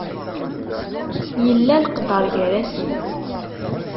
Yella leqder gar-asen.